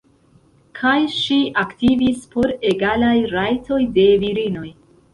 Kaj ŝi aktivis por egalaj rajtoj de virinoj.